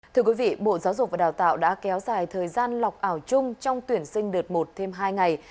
thưa quý vị bộ giáo dục và đào tạo đã kéo dài thời gian lọc ảo chung trong tuyển sinh đợt một thêm hai ngày